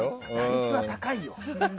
打率は高いよ。